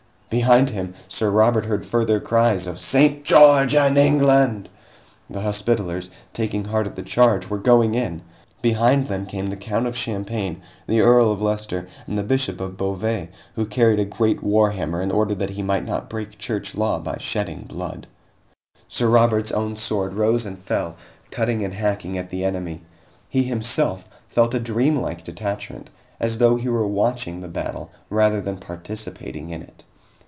Behind him, Sir Robert heard further cries of "St. George and England!" The Hospitallers, taking heart at the charge, were going in! Behind them came the Count of Champagne, the Earl of Leister, and the Bishop of Beauvais, who carried a great warhammer in order that he might not break Church Law by shedding blood. Sir Robert's own sword rose and fell, cutting and hacking at the enemy. He himself felt a dreamlike detachment, as though he were watching the battle rather than participating in it.